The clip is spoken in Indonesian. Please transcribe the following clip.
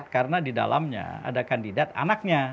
karena di dalamnya ada kandidat anaknya